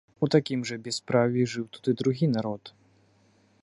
У такім жа бяспраўі жыў тут і другі народ.